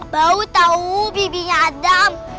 bau tahu bibi ada